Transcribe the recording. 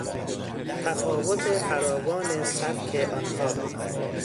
تفاوت فراوان سبک آنها